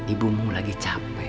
ibumu lagi capek